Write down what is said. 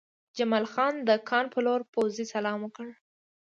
جمال خان د کان په لور پوځي سلام وکړ